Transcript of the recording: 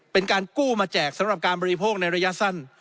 เป็นการกู้มาแจกสำหรับการบริโภคในระยะสั้น